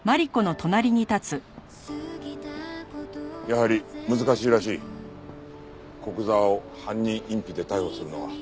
やはり難しいらしい古久沢を犯人隠避で逮捕するのは。